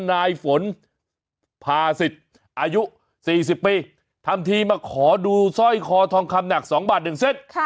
นายฝนพาสิทธิ์อายุ๔๐ปีทำทีมาขอดูสร้อยคอทองคำหนัก๒บาท๑เส้น